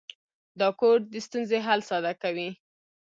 دا کوډ د ستونزې حل ساده کوي.